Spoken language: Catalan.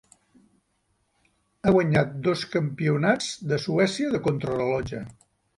Ha guanyat dos campionats de Suècia de contrarellotge.